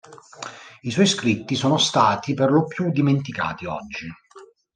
I suoi scritti sono stati per lo più dimenticati oggi.